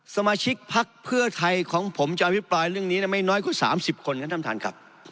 สมาชิกพักเพื่อไทยของผมจะอภิปรายเรื่องนี้ไม่น้อยกว่า๓๐คนครับท่านท่านครับ